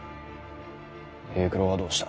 平九郎はどうした？